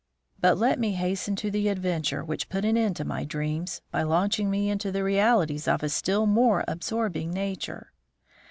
But let me hasten to the adventure which put an end to my dreams by launching me into realities of a still more absorbing nature.